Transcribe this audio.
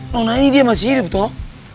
mau nanya dia masih hidup toh